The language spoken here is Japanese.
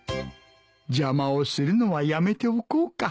邪魔をするのはやめておこうか。